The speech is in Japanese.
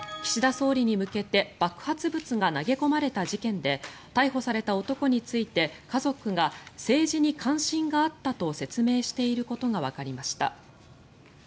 総理に向けて爆発物が投げ込まれた事件で逮捕された男について家族が政治に関心があったと説明していることがわかりました。